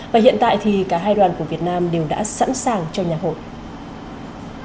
và hiện tại thì cả hai đoàn của việt nam đều đã sẵn sàng cho nhà hội